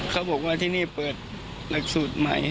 เขาบอกว่าที่นี่เปิดหลักสูตรใหม่